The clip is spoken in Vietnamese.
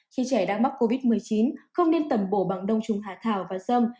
khi trẻ đang bắp covid một mươi chín không nên tẩm bổ bằng đông trùng hạn thảo và sâm